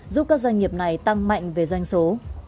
giúp các doanh nghiệp này tăng mạnh về doanh số